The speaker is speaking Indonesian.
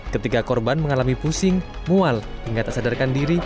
ketiga korban mengalami pusing mual hingga tak sadarkan diri